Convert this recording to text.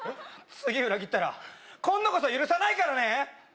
次裏切ったら今度こそ許さないからね！